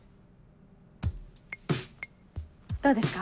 どうですか？